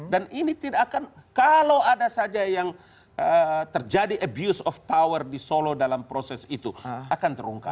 dan ini tidak akan kalau ada saja yang terjadi abuse of power di solo dalam proses itu akan terungkap